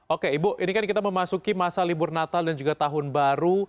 oke ibu ini kan kita memasuki masa libur natal dan juga tahun baru